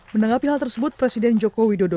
menanggapi hal tersebut presiden joko widodo